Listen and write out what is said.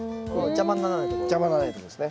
邪魔にならないってことですね。